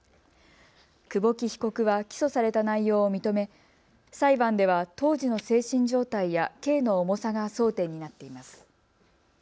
久保木被告は起訴された内容を認め、裁判では当時の精神状態や刑の重さが争点になっています。